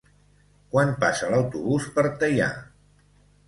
Quan passa l'autobús per Teià?